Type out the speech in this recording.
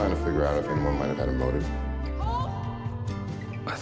saya tidak tahu apakah ada yang memiliki motivasi